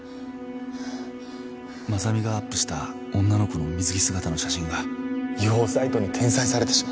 雅美がアップした女の子の水着姿の写真が違法サイトに転載されてしまって